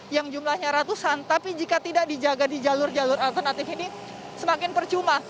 yang jumlahnya ratusan tapi jika tidak dijaga di jalur jalur alternatif ini semakin percuma